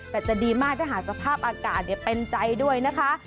แต่จะดีมากถ้าหากสภาพอากาศเป็นใจด้วยนะคะ